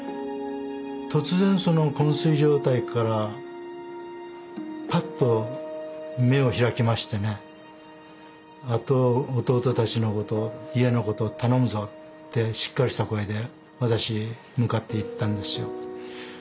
突然こん睡状態からパッと目を開きましてね「あと弟たちのこと家のこと頼むぞ」ってしっかりした声で私に向かって言ったんですよ。